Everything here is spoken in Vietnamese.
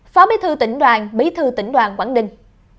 phó bí thư tỉnh đoàn bí thư tỉnh đoàn quảng ninh